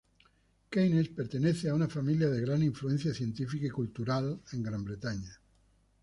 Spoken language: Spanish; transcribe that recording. Keynes pertenece a una familia de gran influencia científica y cultural en Gran Bretaña.